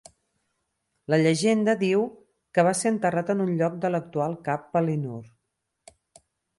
La llegenda diu que va ser enterrat en un lloc de l'actual Cap Palinur.